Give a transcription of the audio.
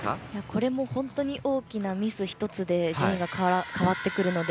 これも本当に大きなミス１つで順位が変わってくるので。